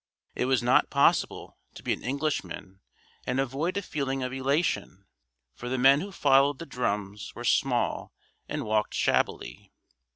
It was not possible to be an Englishman and avoid a feeling of elation; for the men who followed the drums were small, and walked shabbily.